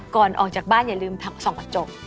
ก่อนออกจากบ้านอย่าลืมส่องกระจก